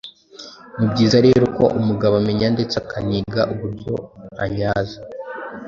Ni byiza rero ko umugabo amenya ndetse akaniga uburyo anyaza